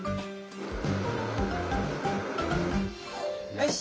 よし！